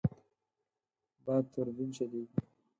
باد توربین چلېږي.